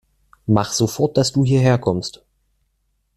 Mach sofort, dass du hierher kommst!